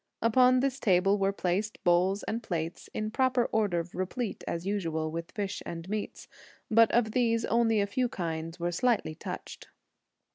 Upon this table were placed bowls and plates, in proper order replete, as usual, with fish and meats; but of these only a few kinds were slightly touched.